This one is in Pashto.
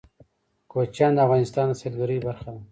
کوچیان د افغانستان د سیلګرۍ برخه ده.